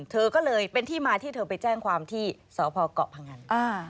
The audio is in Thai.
เธอก็เลยเป็นที่มาที่เธอไปแจ้งความที่สพเกาะพงัน